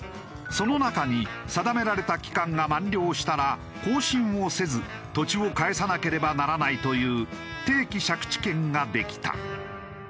その中に定められた期間が満了したら更新をせず土地を返さなければならないという定期借地権ができた。